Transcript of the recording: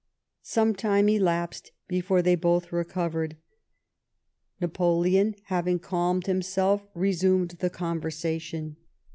Some time elapsed before they both recovered. Napoleon, having calmed himself, resumed the con versation.